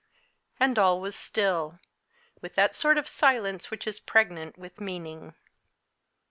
And all was still with that sort of silence which is pregnant with meaning.